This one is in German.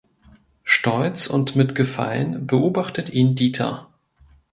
Stolz und mit Gefallen beobachtet ihn Dieter.